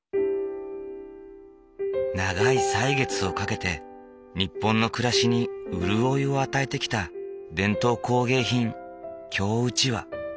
長い歳月をかけて日本の暮らしに潤いを与えてきた伝統工芸品京うちわ。